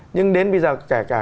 nhưng đến bây giờ kể cả